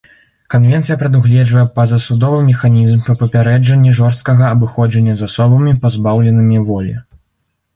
Канвенцыя прадугледжвае пазасудовы механізм па папярэджанні жорсткага абыходжання з асобамі, пазбаўленымі волі.